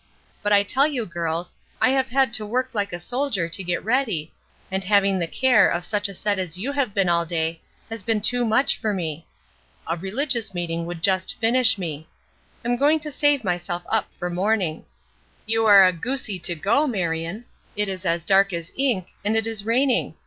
But I tell you, girls, I have had to work like a soldier to get ready, and having the care of such a set as you have been all day has been too much for me. A religious meeting would just finish me. I'm going to save myself up for morning. You are a goosie to go, Marion. It is as dark as ink, and is raining.